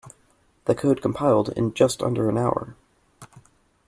The code compiled in just under an hour.